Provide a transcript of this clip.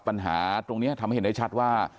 ปัญหาตรงนี้ทำให้เห็นได้ชัดว่า